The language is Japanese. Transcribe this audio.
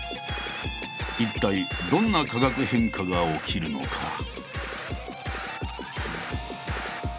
一体どんな化学変化が起きるのか？